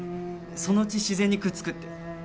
そのうち自然にくっつくって。